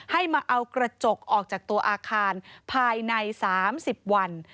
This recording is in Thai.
ให้มาเอากระจกออกจากตัวอาคารภายใน๓๐วัน